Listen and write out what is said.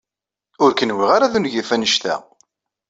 Ur k-nwiɣ ara d ungif annect-a.